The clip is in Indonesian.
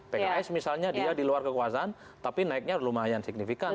pks misalnya dia diluar kekuasaan tapi naiknya lumayan signifikan